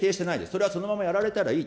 それはそのままやられたらいい。